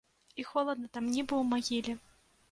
І холадна там, нібы ў магіле.